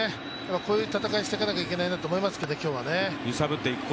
こういう戦いしていかなきゃいけないと思いますけど、今日はね。